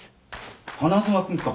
花妻君か。